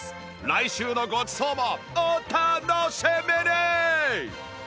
来週のごちそうもお楽しみに